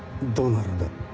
どうなるんだ？